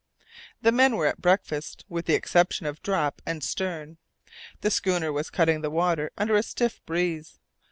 The men were at breakfast, with the exception of Drap and Stern. The schooner was cutting the water under a stiff breeze.